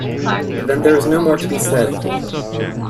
Then there is no more to be said.